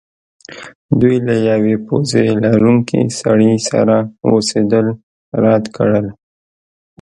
دوی د لویې پوزې لرونکي سړي سره اوسیدل رد کړل